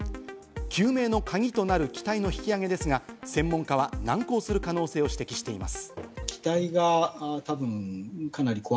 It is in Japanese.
究明のカギとなる機体の引き揚げですが、専門家は難航する可能性を指摘しています。